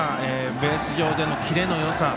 ベース上でのキレのよさ。